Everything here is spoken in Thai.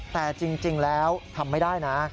แต่จริงแล้วทำไม่ได้นะ